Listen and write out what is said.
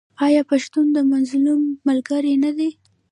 آیا پښتون د مظلوم ملګری نه دی؟